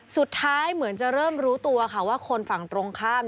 สุดท้ายเหมือนจะเริ่มรู้ตัวค่ะว่าคนฝั่งตรงข้าม